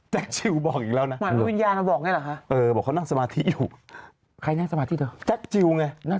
แจ็คจิลบอกอีกแล้วนะ